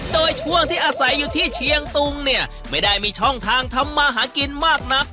โดยช่วงที่อาศัยอยู่ที่เชียงตุงเนี่ยไม่ได้มีช่องทางทำมาหากินมากนัก